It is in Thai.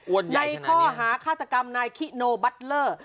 อ้วนใหญ่ขนาดนี้ในข้อหาฆาตกรรมนายคิโนบัตเตอร์